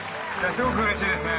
すごくうれしいですね。